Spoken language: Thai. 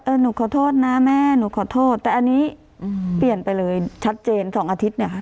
หนูขอโทษนะแม่หนูขอโทษแต่อันนี้เปลี่ยนไปเลยชัดเจน๒อาทิตย์เนี่ยค่ะ